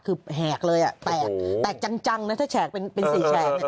คือแหกเลยแตกจังนะถ้าแฉกเป็น๔แฉก